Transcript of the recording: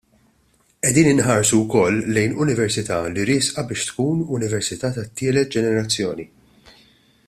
Qegħdin inħarsu wkoll lejn Università li riesqa biex tkun università tat-tielet ġenerazzjoni.